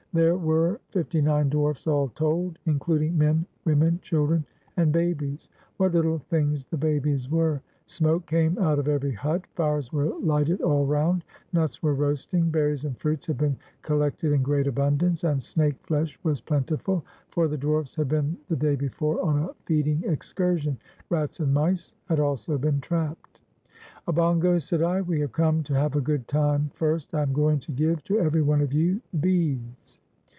There were fifty nine dwarfs all told, including men, women, chil dren, and babies. What httle things the babies were! Smoke came out of every hut, fires were lighted all round, nuts were roasting, berries and fruits had been collected in great abundance, and snake flesh was plenti ful, for the dwarfs had been the day before on a feeding excursion. Rats and mice had also been trapped. "Obongos," said I, "we have come to have a good time. First I am going to give to every one of you beads."